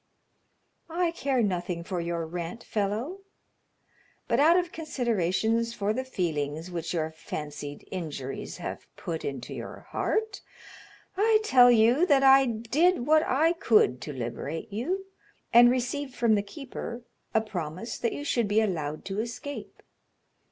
"I care nothing for your rant, fellow, but out of consideration for the feelings which your fancied injuries have put into your heart, I tell you that I did what I could to liberate you, and received from the keeper a promise that you should be allowed to escape.